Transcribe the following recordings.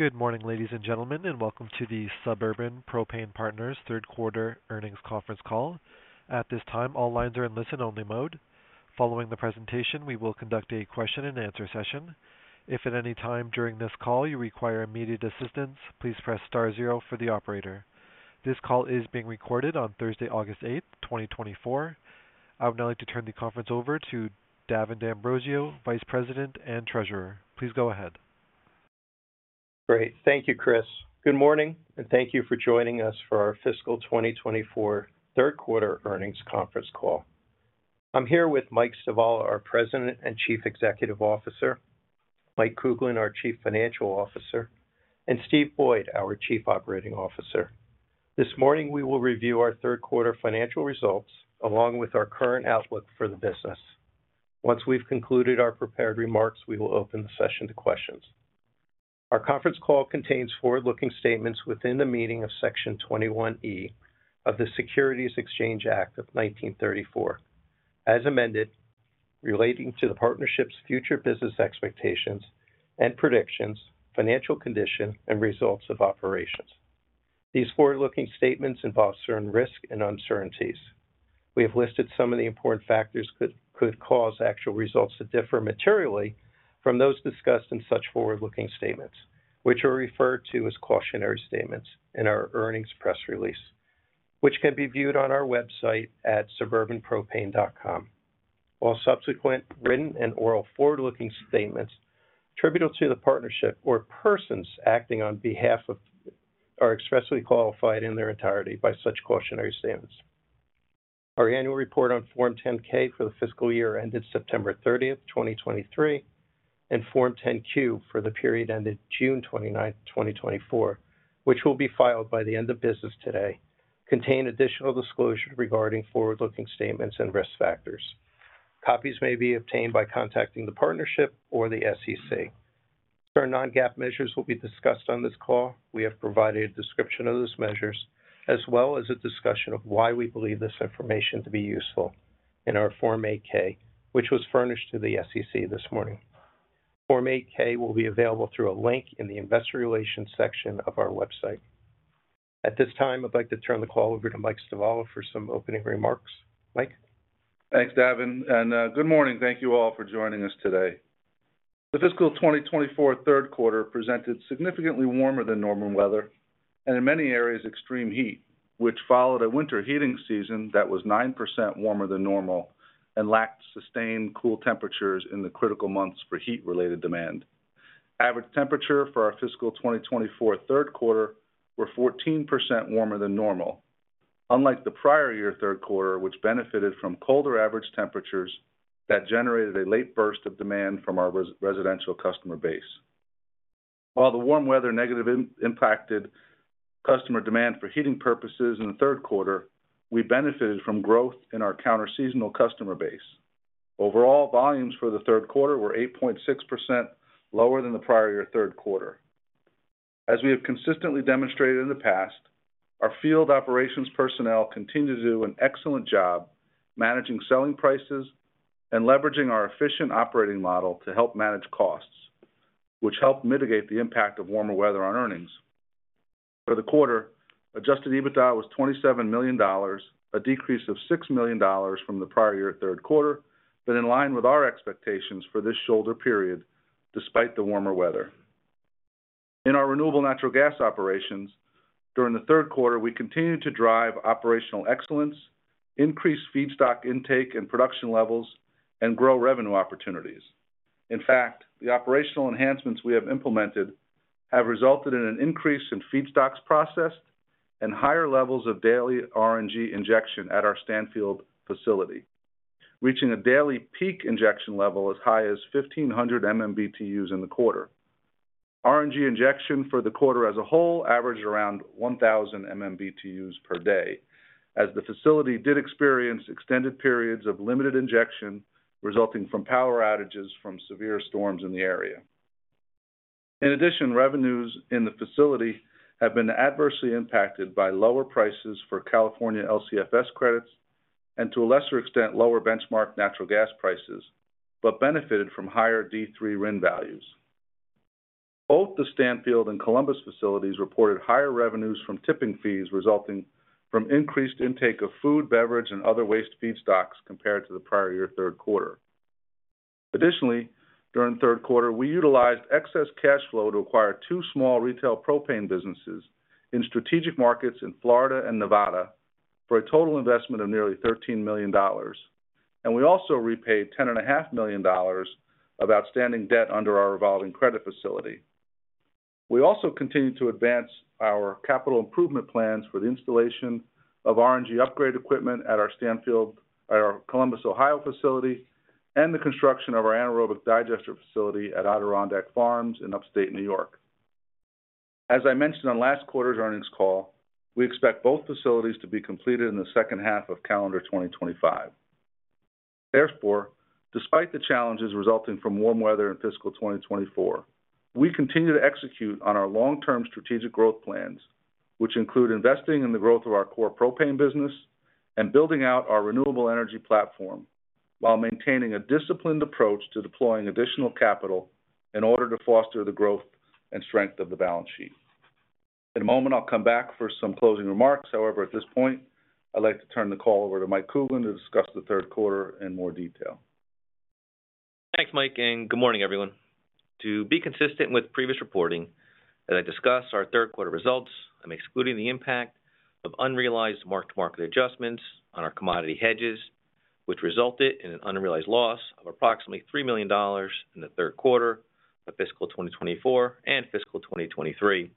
Good morning, ladies and gentlemen, and welcome to the Suburban Propane Partners Q3 Earnings Conference Call. At this time, all lines are in listen-only mode. Following the presentation, we will conduct a question-and-answer session. If at any time during this call you require immediate assistance, please press star zero for the operator. This call is being recorded on Thursday, August 8, 2024. I would now like to turn the conference over to Davin D'Ambrosio, Vice President and Treasurer. Please go ahead. Great. Thank you, Chris. Good morning, and thank you for joining us for our fiscal 2024 Q3 Earnings Conference Call. I'm here with Mike Stivala, our President and Chief Executive Officer, Mike Kuglin, our Chief Financial Officer, and Steve Boyd, our Chief Operating Officer. This morning, we will review our Q3 financial results, along with our current outlook for the business. Once we've concluded our prepared remarks, we will open the session to questions. Our conference call contains forward-looking statements within the meaning of Section 21E of the Securities Exchange Act of 1934, as amended, relating to the partnership's future business expectations and predictions, financial condition, and results of operations. These forward-looking statements involve certain risks and uncertainties. We have listed some of the important factors that could cause actual results to differ materially from those discussed in such forward-looking statements, which are referred to as cautionary statements in our earnings press release, which can be viewed on our website at suburbanpropane.com. All subsequent written and oral forward-looking statements attributable to the partnership or persons acting on behalf of are expressly qualified in their entirety by such cautionary statements. Our annual report on Form 10-K for the fiscal year ended September 30, 2023, and Form 10-Q for the period ended June 29, 2024, which will be filed by the end of business today, contain additional disclosure regarding forward-looking statements and risk factors. Copies may be obtained by contacting the partnership or the SEC. Certain non-GAAP measures will be discussed on this call. We have provided a description of those measures, as well as a discussion of why we believe this information to be useful in our Form 8-K, which was furnished to the SEC this morning. Form 8-K will be available through a link in the investor relations section of our website. At this time, I'd like to turn the call over to Mike Stivala for some opening remarks. Mike? Thanks, Davin, and good morning. Thank you all for joining us today. The fiscal 2024 Q3 presented significantly warmer than normal weather, and in many areas, extreme heat, which followed a winter heating season that was 9% warmer than normal and lacked sustained cool temperatures in the critical months for heat-related demand. Average temperature for our fiscal 2024 Q3 were 14% warmer than normal, unlike the prior year Q3, which benefited from colder average temperatures that generated a late burst of demand from our residential customer base. While the warm weather negatively impacted customer demand for heating purposes in the Q3, we benefited from growth in our counterseasonal customer base. Overall, volumes for the Q3 were 8.6% lower than the prior year Q3. As we have consistently demonstrated in the past, our field operations personnel continue to do an excellent job managing selling prices and leveraging our efficient operating model to help manage costs, which helped mitigate the impact of warmer weather on earnings. For the quarter, Adjusted EBITDA was $27 million, a decrease of $6 million from the prior year Q3, but in line with our expectations for this shoulder period, despite the warmer weather. In our renewable natural gas operations, during the Q3, we continued to drive operational excellence, increase feedstock intake and production levels, and grow revenue opportunities. In fact, the operational enhancements we have implemented have resulted in an increase in feedstocks processed and higher levels of daily RNG injection at our Stanfield facility, reaching a daily peak injection level as high as 1,500 MMBtus in the quarter. RNG injection for the quarter as a whole averaged around 1,000 MMBtus per day, as the facility did experience extended periods of limited injection, resulting from power outages from severe storms in the area. In addition, revenues in the facility have been adversely impacted by lower prices for California LCFS credits and, to a lesser extent, lower benchmark natural gas prices, but benefited from higher D3 RIN values. Both the Stanfield and Columbus facilities reported higher revenues from tipping fees, resulting from increased intake of food, beverage, and other waste feedstocks compared to the prior year Q3. Additionally, during the Q3, we utilized excess cash flow to acquire two small retail propane businesses in strategic markets in Florida and Nevada for a total investment of nearly $13 million. We also repaid $10.5 million of outstanding debt under our revolving credit facility. We also continued to advance our capital improvement plans for the installation of RNG upgrade equipment at our Columbus, Ohio, facility and the construction of our anaerobic digester facility at Adirondack Farms in upstate New York. As I mentioned on last quarter's earnings call, we expect both facilities to be completed in the second half of calendar 2025. Therefore, despite the challenges resulting from warm weather in fiscal 2024, we continue to execute on our long-term strategic growth plans, which include investing in the growth of our core propane business, and building out our renewable energy platform, while maintaining a disciplined approach to deploying additional capital in order to foster the growth and strength of the balance sheet. In a moment, I'll come back for some closing remarks. However, at this point, I'd like to turn the call over to Mike Kuglin, to discuss the Q3 in more detail. Thanks, Mike, and good morning, everyone. To be consistent with previous reporting, as I discuss our Q3 results, I'm excluding the impact of unrealized mark-to-market adjustments on our commodity hedges, which resulted in an unrealized loss of approximately $3 million in the Q3 of fiscal 2024 and fiscal 2023,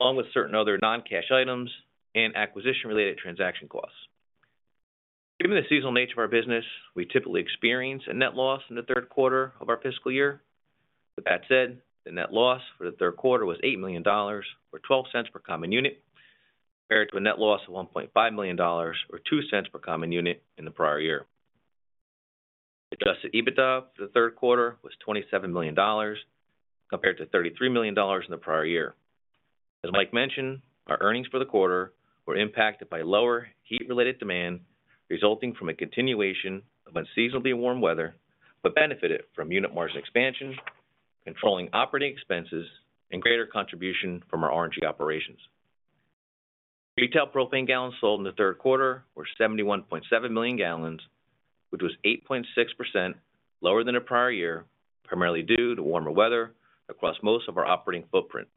along with certain other non-cash items and acquisition-related transaction costs. Given the seasonal nature of our business, we typically experience a net loss in the Q3 of our fiscal year. With that said, the net loss for the Q3 was $8 million, or $0.12 per common unit, compared to a net loss of $1.5 million or $0.02 per common unit in the prior year. Adjusted EBITDA for the Q3 was $27 million, compared to $33 million in the prior year. As Mike mentioned, our earnings for the quarter were impacted by lower heat-related demand, resulting from a continuation of unseasonably warm weather, but benefited from unit margins expansion, controlling operating expenses, and greater contribution from our RNG operations. Retail propane gallons sold in the Q3 were 71.7 million gallons, which was 8.6% lower than the prior year, primarily due to warmer weather across most of our operating footprint.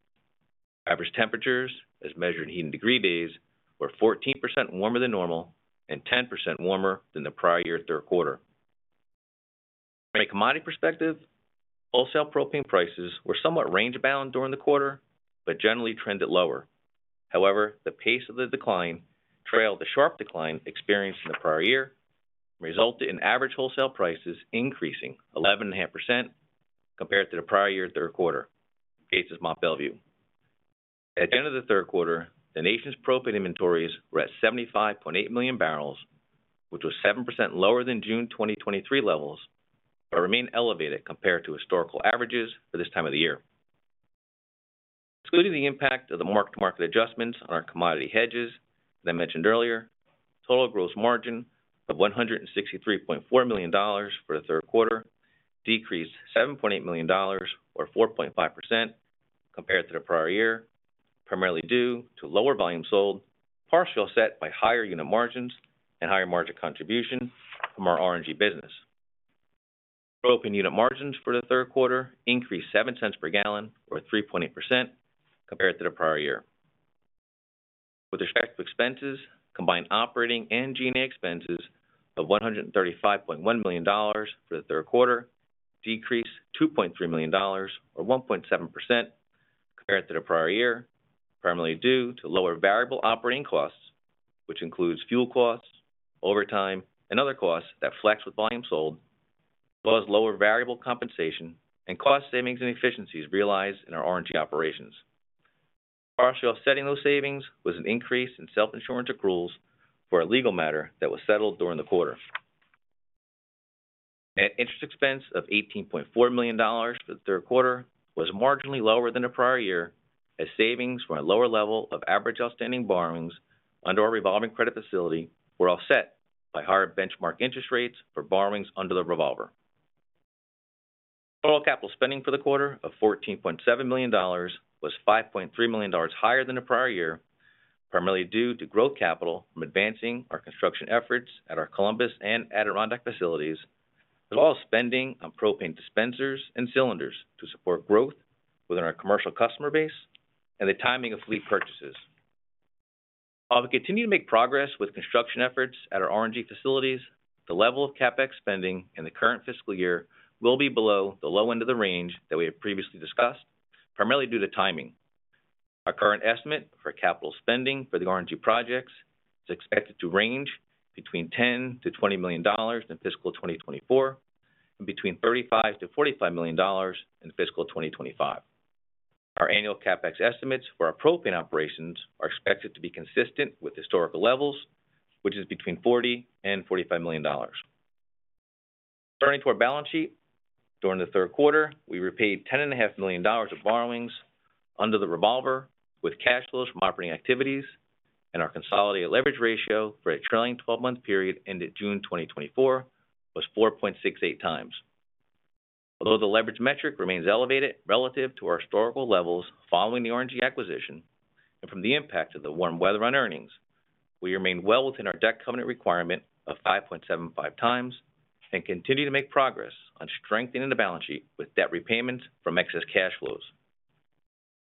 Average temperatures, as measured in degree days, were 14% warmer than normal and 10% warmer than the prior year Q3. From a commodity perspective, wholesale propane prices were somewhat range-bound during the quarter, but generally trended lower. However, the pace of the decline trailed the sharp decline experienced in the prior year, and resulted in average wholesale prices increasing 11.5% compared to the prior year Q3, at Mont Belvieu. At the end of the Q3, the nation's propane inventories were at 75.8 million barrels, which was 7% lower than June 2023 levels, but remain elevated compared to historical averages for this time of the year. Excluding the impact of the mark-to-market adjustments on our commodity hedges, as I mentioned earlier, total gross margin of $163.4 million for the Q3 decreased $7.8 million, or 4.5%, compared to the prior year, primarily due to lower volume sold, partially offset by higher unit margins and higher margin contribution from our RNG business. Propane unit margins for the Q3 increased $0.07 per gallon, or 3.8%, compared to the prior year. With respect to expenses, combined operating and G&A expenses of $135.1 million for the Q3 decreased $2.3 million, or 1.7%, compared to the prior year, primarily due to lower variable operating costs, which includes fuel costs, overtime, and other costs that flex with volume sold, as well as lower variable compensation and cost savings and efficiencies realized in our RNG operations. Partially offsetting those savings was an increase in self-insurance accruals for a legal matter that was settled during the quarter. Net interest expense of $18.4 million for the Q3 was marginally lower than the prior year, as savings from a lower level of average outstanding borrowings under our revolving credit facility were offset by higher benchmark interest rates for borrowings under the revolver. Total capital spending for the quarter of $14.7 million was $5.3 million higher than the prior year, primarily due to growth capital from advancing our construction efforts at our Columbus and Adirondack facilities, as well as spending on propane dispensers and cylinders to support growth within our commercial customer base and the timing of fleet purchases. While we continue to make progress with construction efforts at our RNG facilities, the level of CapEx spending in the current fiscal year will be below the low end of the range that we have previously discussed, primarily due to timing. Our current estimate for capital spending for the RNG projects is expected to range between $10-$20 million in fiscal 2024, and between $35-$45 million in fiscal 2025. Our annual CapEx estimates for our propane operations are expected to be consistent with historical levels, which is between $40-$45 million. Turning to our balance sheet, during the Q3, we repaid $10.5 million of borrowings under the revolver with cash flows from operating activities, and our consolidated leverage ratio for a trailing twelve-month period ended June 2024 was 4.68 times. Although the leverage metric remains elevated relative to our historical levels following the RNG acquisition and from the impact of the warm weather on earnings, we remain well within our debt covenant requirement of 5.75 times, and continue to make progress on strengthening the balance sheet with debt repayments from excess cash flows.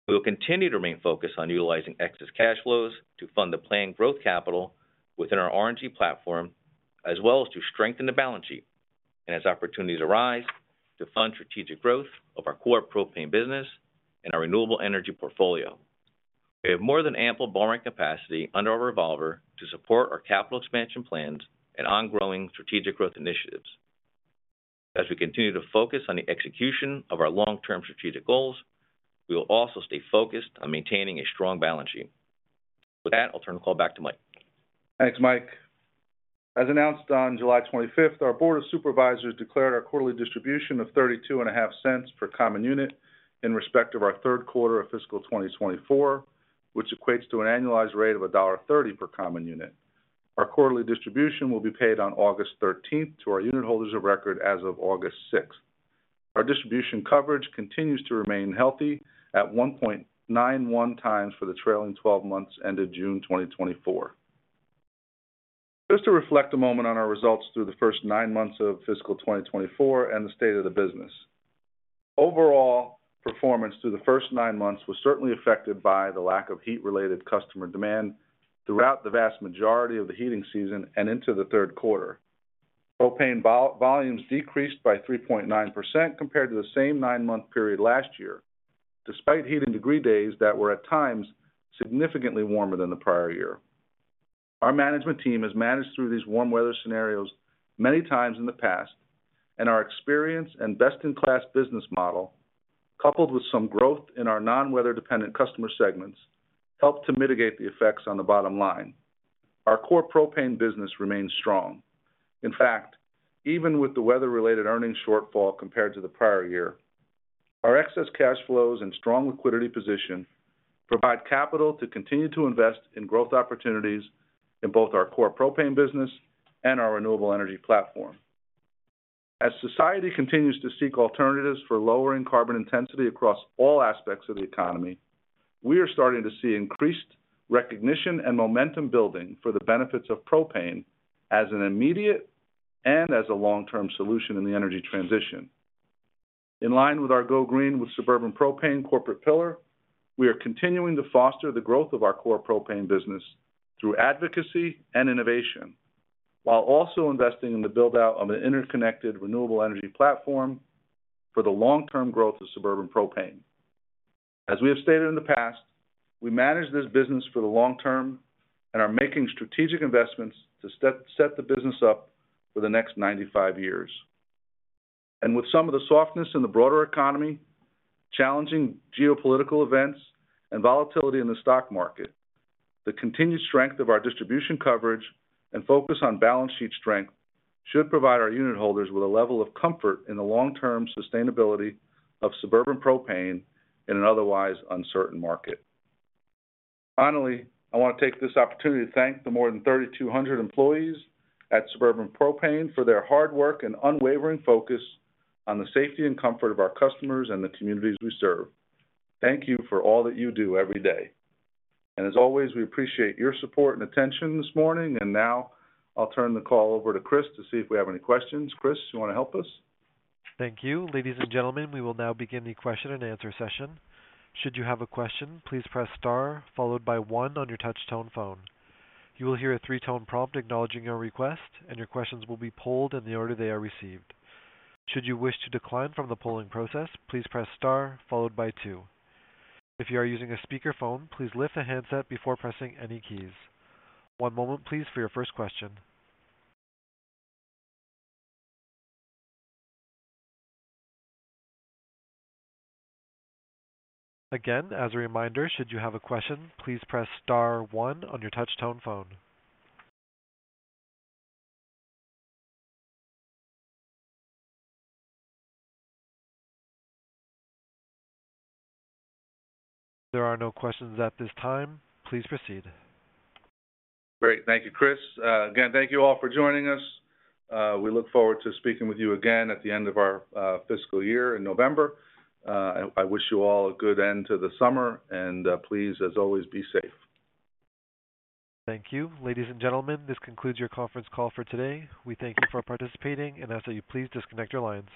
We will continue to remain focused on utilizing excess cash flows to fund the planned growth capital within our RNG platform, as well as to strengthen the balance sheet, and as opportunities arise, to fund strategic growth of our core propane business and our renewable energy portfolio. We have more than ample borrowing capacity under our revolver to support our capital expansion plans and ongoing strategic growth initiatives. As we continue to focus on the execution of our long-term strategic goals, we will also stay focused on maintaining a strong balance sheet. With that, I'll turn the call back to Mike. Thanks, Mike. As announced on July 25th, our Board of Supervisors declared our quarterly distribution of $0.325 per common unit in respect of our Q3 of fiscal 2024, which equates to an annualized rate of $1.30 per common unit. Our quarterly distribution will be paid on August 13th to our unitholders of record as of August 6th. Our distribution coverage continues to remain healthy at 1.91 times for the trailing twelve months ended June 2024. Just to reflect a moment on our results through the first nine months of fiscal 2024 and the state of the business. Overall performance through the first nine months was certainly affected by the lack of heat-related customer demand throughout the vast majority of the heating season and into the Q3. Propane volumes decreased by 3.9% compared to the same nine-month period last year, despite heating degree days that were at times significantly warmer than the prior year. Our management team has managed through these warm weather scenarios many times in the past, and our experience and best-in-class business model, coupled with some growth in our non-weather dependent customer segments, helped to mitigate the effects on the bottom line. Our core propane business remains strong. In fact, even with the weather-related earnings shortfall compared to the prior year, our excess cash flows and strong liquidity position provide capital to continue to invest in growth opportunities in both our core propane business and our renewable energy platform. As society continues to seek alternatives for lowering carbon intensity across all aspects of the economy, we are starting to see increased recognition and momentum building for the benefits of propane as an immediate and as a long-term solution in the energy transition. In line with our Go Green with Suburban Propane corporate pillar, we are continuing to foster the growth of our core propane business through advocacy and innovation, while also investing in the build-out of an interconnected renewable energy platform for the long-term growth of Suburban Propane. As we have stated in the past, we manage this business for the long term and are making strategic investments to set the business up for the next 95 years. And with some of the softness in the broader economy, challenging geopolitical events, and volatility in the stock market, the continued strength of our distribution coverage and focus on balance sheet strength should provide our unit holders with a level of comfort in the long-term sustainability of Suburban Propane in an otherwise uncertain market. Finally, I want to take this opportunity to thank the more than 3,200 employees at Suburban Propane for their hard work and unwavering focus on the safety and comfort of our customers and the communities we serve. Thank you for all that you do every day. And as always, we appreciate your support and attention this morning. And now I'll turn the call over to Chris to see if we have any questions. Chris, you want to help us? Thank you. Ladies and gentlemen, we will now begin the question-and-answer session. Should you have a question, please press star, followed by one on your touch tone phone. You will hear a three-tone prompt acknowledging your request, and your questions will be polled in the order they are received. Should you wish to decline from the polling process, please press star followed by two. If you are using a speakerphone, please lift the handset before pressing any keys. One moment, please, for your first question. Again, as a reminder, should you have a question, please press star one on your touch tone phone. There are no questions at this time. Please proceed. Great. Thank you, Chris. Again, thank you all for joining us. We look forward to speaking with you again at the end of our fiscal year in November. I wish you all a good end to the summer, and please, as always, be safe. Thank you. Ladies and gentlemen, this concludes your conference call for today. We thank you for participating and ask that you please disconnect your lines.